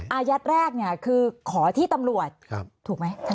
อายัดแรกคือขอที่ตำรวจถูกไหมท่านอายุดา